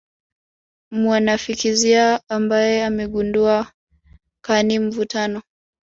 mwanafizikia ambaye amegundua kani mvutano